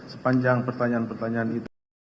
sepanjang pertanyaan pertanyaan itu